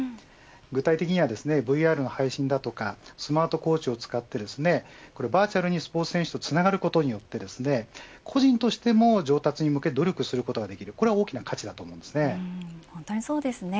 具体的にはＶＲの配信だとかスマートコーチを使ってバーチャルにスポーツ選手とつながることによって個人としても上達に向け努力することができる、これが本当にそうですね。